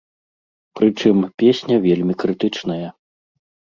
Прычым, песня вельмі крытычная.